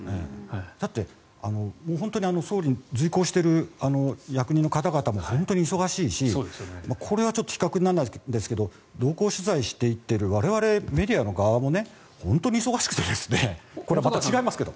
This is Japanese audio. だって本当に総理に随行している役人の方々も本当に忙しいしこれは比較にならないですけど同行取材していってる我々メディアの側も本当に忙しくてこれはまた違いますけど。